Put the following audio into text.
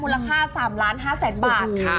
มูลค่าสามล้านห้าแสนบาทโอ้โหค่ะ